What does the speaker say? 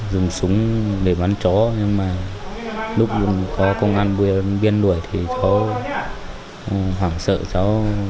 dùng súng để bắn chó nhưng mà lúc có công an viên đuổi thì cháu hoảng sợ cháu